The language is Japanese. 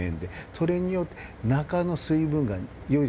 それによって。